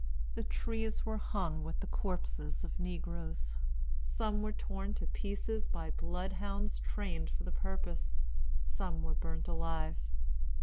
The trees were hung with the corpses of negroes. Some were torn to pieces by bloodhounds trained for the purpose; some were burnt alive.